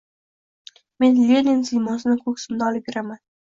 Men Lenin siymosini ko‘ksimda olib yuraman!